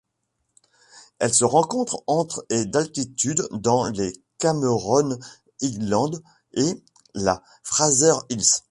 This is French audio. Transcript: Elle se rencontre entre et d'altitude dans les Cameron Highlands et la Fraser's Hill.